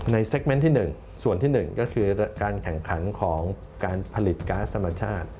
เซ็กเมนต์ที่๑ส่วนที่๑ก็คือการแข่งขันของการผลิตก๊าซธรรมชาติ